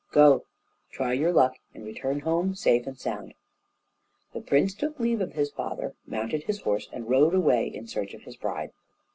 Go! try your luck, and return home safe and sound!" The prince took leave of his father, mounted his horse, and rode away in search of his bride.